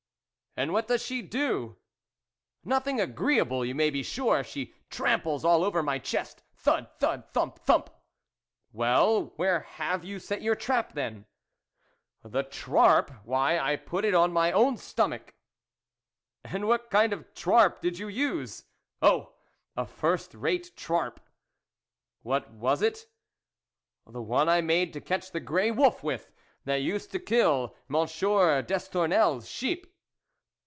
" And what does she do ?"" Nothing agreeable, you may be sure ; she tramples all over my chest: thud, thud ! thump, thump !"" Well, where have you set your trap, then ?" "The trarp, why, I put it on my own stomach." " And what kind of a trarp did you use ?"" Oh ! a first rate trarp I " What was it ?"" The one I made to catch the grey wolf with, that used to kill M. Destour nelles* sheep."